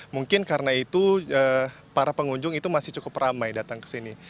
mungkin karena itu para pengunjung itu masih cukup ramai datang ke sini